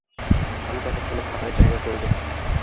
আমি ততক্ষণ খাবারের জায়গা করি গে।